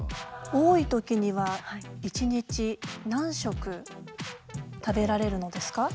多い時には一日何食食べられるのですか？